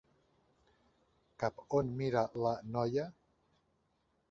Cap on mira la noia?